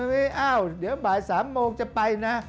อ้าวเดี๋ยวบ่าย๓โมงจะไปนะ